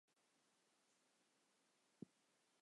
公园大部分地区与水相邻。